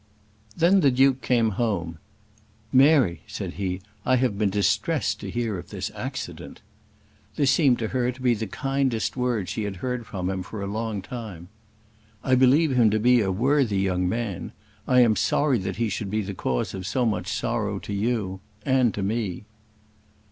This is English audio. Then the Duke came home. "Mary," said he, "I have been distressed to hear of this accident." This seemed to her to be the kindest word she had heard from him for a long time. "I believe him to be a worthy young man. I am sorry that he should be the cause of so much sorrow to you and to me."